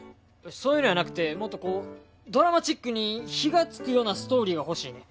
そういうのやなくてもっとこうドラマチックに火がつくようなストーリーが欲しいねん